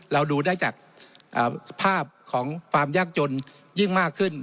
เราดูได้จากภาพของความยากจนยิ่งมากขึ้น